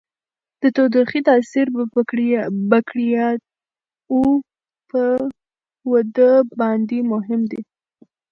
د تودوخې تاثیر د بکټریاوو په وده باندې مهم دی.